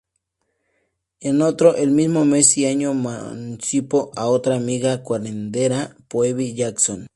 En otro, el mismo mes y año, emancipó a otra amiga curandera, Phoebe Jackson.